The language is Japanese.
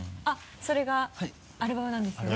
それがアルバムなんですよね？